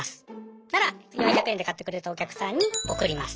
そしたら４００円で買ってくれたお客さんに送ります。